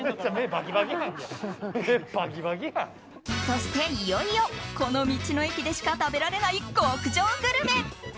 そして、いよいよこの道の駅でしか食べられない極上グルメ。